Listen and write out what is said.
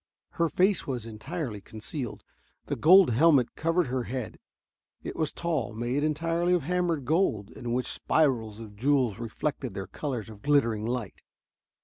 Her face was entirely concealed. The gold helmet covered her head. It was tall, made entirely of hammered gold in which spirals of jewels reflected their colors of glittering light.